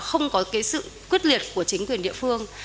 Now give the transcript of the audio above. không có cái sự quyết liệt của chính quyền địa phương